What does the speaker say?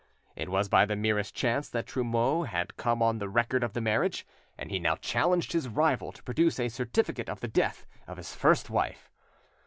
It was by the merest chance that Trumeau had come on the record of the marriage, and he now challenged his rival to produce a certificate of the death of his first wife.